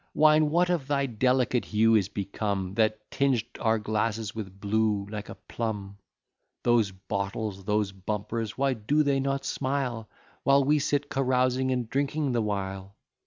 Wine, what of thy delicate hue is become, That tinged our glasses with blue, like a plum? Those bottles, those bumpers, why do they not smile, While we sit carousing and drinking the while?